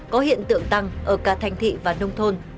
có hiện tượng tăng ở cả thành thị và nông thôn